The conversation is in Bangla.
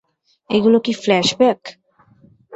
এগুলো কি ফ্ল্যাশব্যাক?